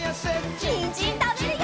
にんじんたべるよ！